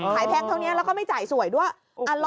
แพงเท่านี้แล้วก็ไม่จ่ายสวยด้วย